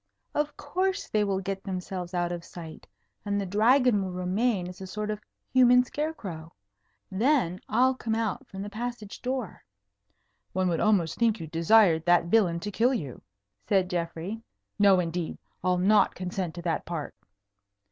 Of course, they will get themselves out of sight, and the Dragon will remain as a sort of human scarecrow. Then I'll come out from the passage door." "One would almost think you desired that villain to kill you," said Geoffrey. "No, indeed. I'll not consent to that part."